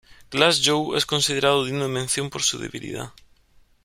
Glass Joe es considerado digno de mención por su debilidad.